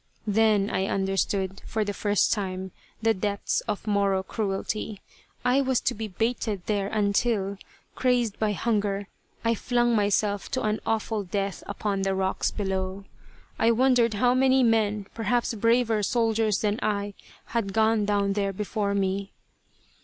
Then I understood for the first time the depths of Moro cruelty. I was to be baited there until, crazed by hunger, I flung myself to an awful death upon the rocks below. I wondered how many men, perhaps braver soldiers than I, had gone down there before me.